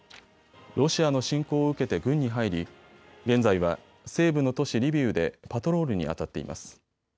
ロシアの侵攻を受けて軍に入り、現在は西部の都市リビウでパトロールにあたっています。